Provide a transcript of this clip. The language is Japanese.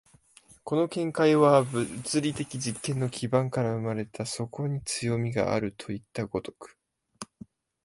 この見解は物理的実験の地盤から生まれた、そこに強味があるといった如く。